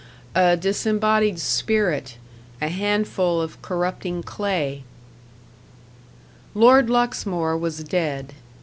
a disembodied spirit a handful of corrupting clay. Lord Luxmore was dead.